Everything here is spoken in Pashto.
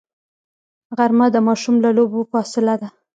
غرمه د ماشوم له لوبو فاصله ده